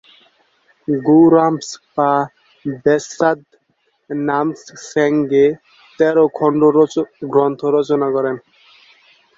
গো-রাম্স-পা-ব্সোদ-নাম্স-সেং-গে তেরো খন্ড গ্রন্থ রচনা করেন।